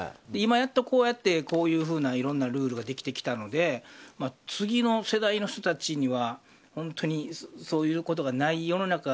今、やっとこうやっていろんなルールができてきたので次の世代の人たちには本当にそういうことがない世の中